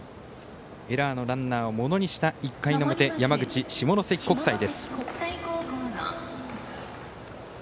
エラーのランナーをものにした山口・下関国際です。